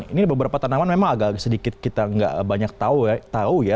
ini beberapa tanaman memang agak sedikit kita nggak banyak tahu ya